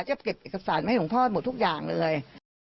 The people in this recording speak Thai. เก็บเอกสารมาให้หลวงพ่อหมดทุกอย่างเลย